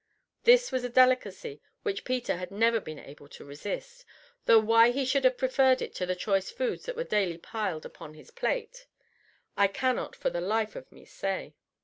This was a delicacy which Peter had never been able to resist, though why he should have preferred it to the choice foods that were daily piled upon his plate I cannot for the life of me say.